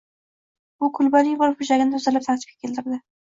U kulbaning bir burchagini tozalab, tartibga keltirdi